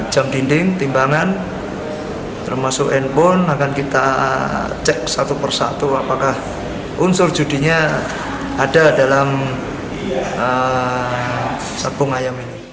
jam dinding timbangan termasuk handphone akan kita cek satu persatu apakah unsur judinya ada dalam sabung ayam ini